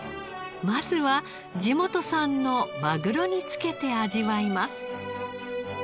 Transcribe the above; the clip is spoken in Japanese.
まずは地元産のマグロにつけて味わいます。